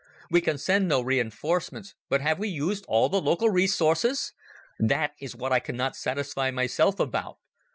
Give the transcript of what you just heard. "We can send no reinforcements, but have we used all the local resources? That is what I cannot satisfy myself about.